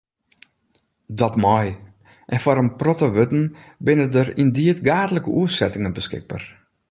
Dat mei, en foar in protte wurden binne der yndied gaadlike oersettingen beskikber.